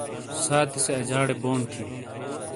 سانتی سے اجاڑے بونڈ تھِیوں ۔